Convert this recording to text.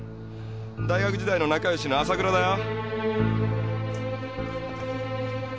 大学時代の仲良しの浅倉だよ。